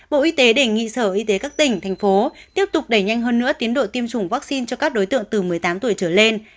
bộ y tế đề nghị sở y tế các tỉnh thành phố tiếp tục đẩy nhanh hơn nữa tiến độ tiêm chủng vaccine cho các đối tượng từ một mươi tám tuổi trở lên